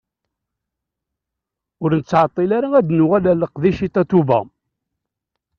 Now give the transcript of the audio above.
Ur nettɛeṭṭil ara ad d-nuɣal ar leqdic i Tatoeba.